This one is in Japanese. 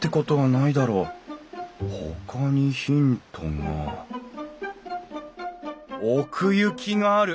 ほかにヒントが奥行きがある。